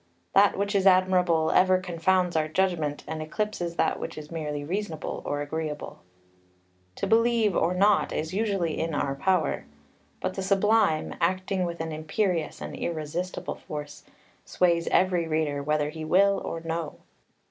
That which is admirable ever confounds our judgment, and eclipses that which is merely reasonable or agreeable. To believe or not is usually in our own power; but the Sublime, acting with an imperious and irresistible force, sways every reader whether he will or no.